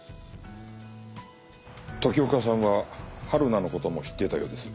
時岡さんははるなの事も知っていたようです。